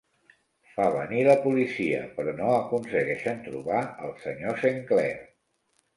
Fa venir la policia, però no aconsegueixen trobar el senyor Saint Clair.